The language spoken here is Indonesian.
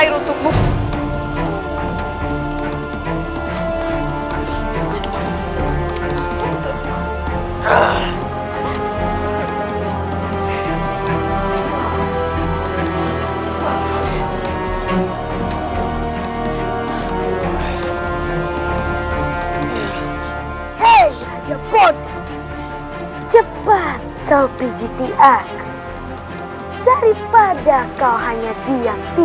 walaupun rakyatku hanya tiga